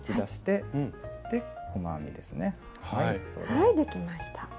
はいできました。